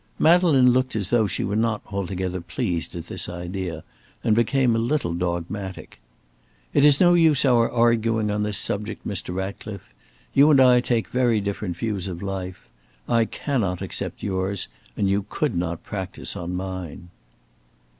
Madeleine looked as though she were not altogether pleased at this idea, and became a little dogmatic. "It is no use our arguing on this subject, Mr. Ratcliffe. You and I take very different views of life. I cannot accept yours, and you could not practise on mine."